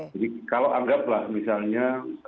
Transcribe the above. jadi kalau anggaplah misalnya